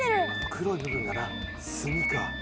黒い部分がな炭か。